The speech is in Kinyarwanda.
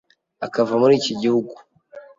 akava muri iki gihugu